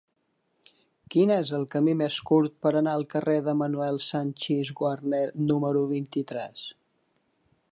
Quin és el camí més curt per anar al carrer de Manuel Sanchis Guarner número vint-i-tres?